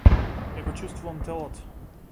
Не го чуствувам телото.